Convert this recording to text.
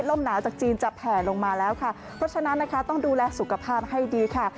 หนาวจากจีนจะแผลลงมาแล้วค่ะเพราะฉะนั้นนะคะต้องดูแลสุขภาพให้ดีค่ะ